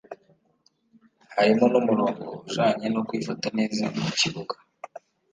Harimwo n'umurongo ujanye no kwifata neza mu kibuga